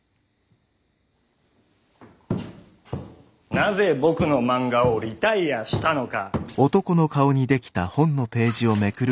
なぜ僕の漫画をリタイアしたのか。